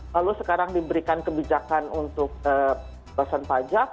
lalu sekarang diberikan kebijakan untuk pesan pajak